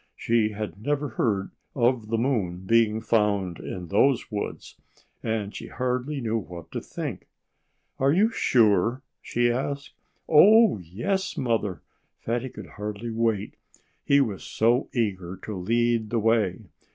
She had never heard of the moon being found in those woods; and she hardly knew what to think. "Are you sure?" she asked. "Oh, yes, Mother!" Fatty could hardly wait, he was so eager to lead the way.